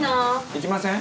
行きません？